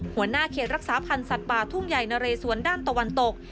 หัวหน้าเขตรักษาพันธ์สัตว์ป่าทุ่งใหญ่นะเรสวนด้านตะวันตก